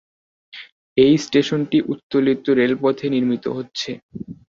এই স্টেশনটি উত্তোলিত রেলপথে নির্মিত হচ্ছে।